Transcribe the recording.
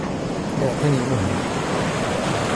اعطني مهلة.